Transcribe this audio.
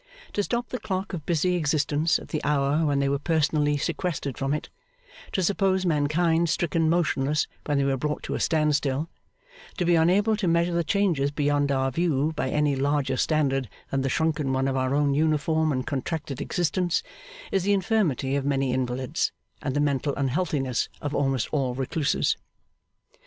To stop the clock of busy existence at the hour when we were personally sequestered from it, to suppose mankind stricken motionless when we were brought to a stand still, to be unable to measure the changes beyond our view by any larger standard than the shrunken one of our own uniform and contracted existence, is the infirmity of many invalids, and the mental unhealthiness of almost all recluses.